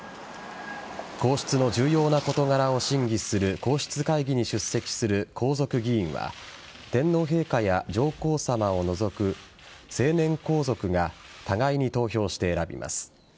皇室の重要な事柄を審議する皇室会議に出席する皇族議員は天皇陛下や上皇さまを除く成年皇族が互いに投票して選びます。